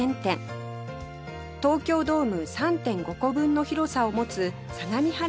東京ドーム ３．５ 個分の広さを持つ相模原